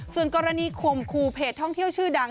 ส่วนกรณีข่มขู่เพจท่องเที่ยวชื่อดัง